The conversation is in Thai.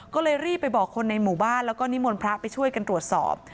ก็เลยรีบไปบอกคนในหมู่บ้านแล้วก็นิมนต์พระไปช่วยกันตรวจสอบ